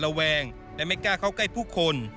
แวงและไม่กล้าเข้าใกล้ผู้คน